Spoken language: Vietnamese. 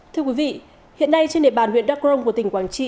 thưa quý vị hiện nay trên địa bàn huyện đắk rông của tỉnh quảng trị